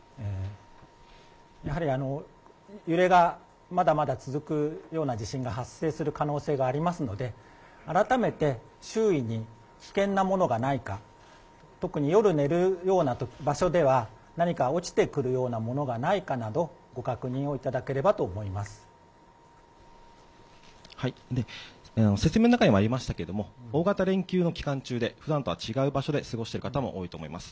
やはり揺れがまだまだ続くような地震が発生する可能性がありますので、改めて周囲に危険なものがないか、特に夜寝るような場所では、何か落ちてくるようなものがないかなど、説明の中にもありましたけれども、大型連休の期間中で、ふだんとは違う場所で過ごしている方も多いと思います。